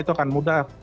itu akan mudah